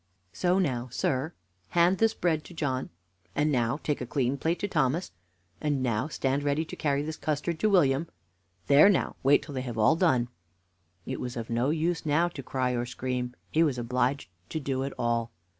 "So now, sir, hand this bread to John, and now take a clean plate to Thomas, and now stand ready to carry this custard to William. There now, wait till they have all done." It was of no use now to cry or scream; he was obliged to do it all.